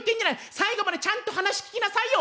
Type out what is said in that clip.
最後までちゃんと話聞きなさいよ！」。